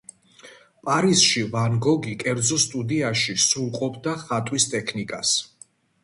პარიზში ვან გოგი კერძო სტუდიაში სრულყოფდა ხატვის ტექნიკას.